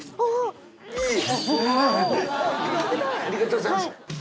ありがとうございます。